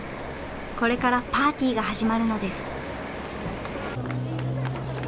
これからパーティーが始まるのです。